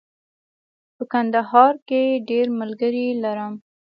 په کندهار کې ډېر ملګري لرم.